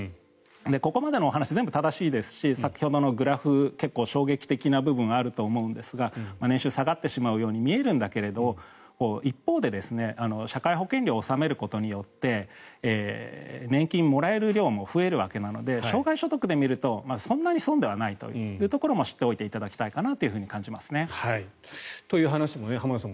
ここまでのお話全部正しいですし先ほどのグラフ結構、衝撃的な部分はあると思うんですが年収、下がってしまうように見えるんだけど一方で社会保険料を納めることによって年金もらえる量も増えるわけなので生涯所得で見ると、そんなに損ではないというところも知っておいていただきたいかなと感じますね。という話も浜田さん